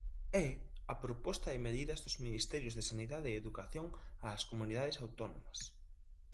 É a proposta de medidas dos ministerios de Sanidade e Educación ás comunidades autónomas.